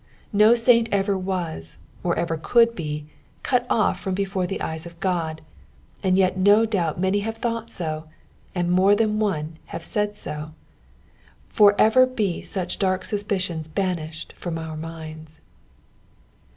Ko saint ever was, or ever could be, cut off from before the eyes of Qod, and yet no doubt manv have thouaht so, and more than one have said so. For ever be such dark suspicions banished from our minds.